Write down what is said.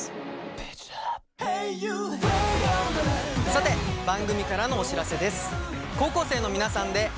さて番組からのお知らせです。